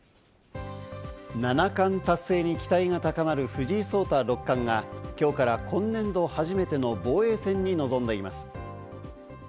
七冠達成に期待が高まる藤井聡太六冠が、今日から今年度初めての防衛戦に臨んでいます。